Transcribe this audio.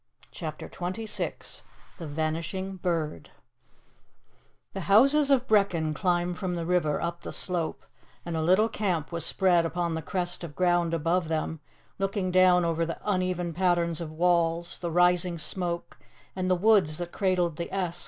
CHAPTER XXVI THE VANISHING BIRD THE houses of Brechin climb from the river up the slope, and a little camp was spread upon the crest of ground above them, looking down over the uneven pattern of walls, the rising smoke, and the woods that cradled the Esk.